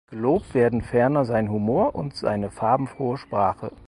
Gelobt werden ferner sein Humor und seine farbenfrohe Sprache.